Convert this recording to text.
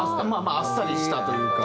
あっさりしたというか。